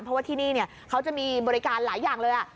เพราะว่าที่นี่เขาจะมีบริการหลายอย่างเลย